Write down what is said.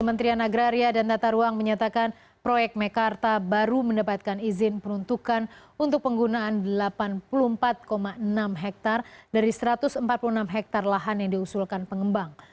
kementerian agraria dan tata ruang menyatakan proyek mekarta baru mendapatkan izin peruntukan untuk penggunaan delapan puluh empat enam hektare dari satu ratus empat puluh enam hektare lahan yang diusulkan pengembang